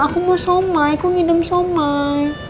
aku mau somai aku ngidem somai